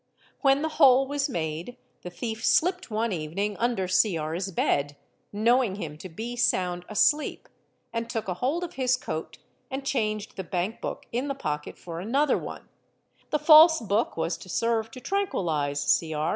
When the hole was made the thief 5 slipped one evening under Cr...'s bed, knowing him to be sound asleep, — and took a hold of his coat and changed the bank book in the pocket for another one; the false book was to serve to tranquilise Cr...